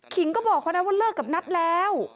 ขิงก็บอกคนนั้นว่าเลิกกับนัทแล้ว